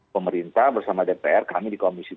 pemerintah bersama dpr kami di komisi dua